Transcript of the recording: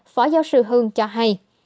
phó giáo sư hương cho hay